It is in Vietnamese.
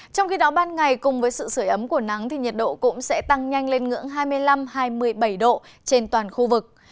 trong khi đó ban ngày cùng với sự sửa ấm của nắng thì nhiệt độ cũng sẽ tăng nhanh lên ngưỡng hai mươi năm hai mươi bảy độ trên toàn khu vực